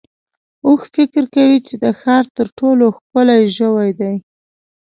اوښ فکر کوي چې د ښار تر ټولو ښکلی ژوی دی.